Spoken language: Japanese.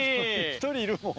１人いるもん。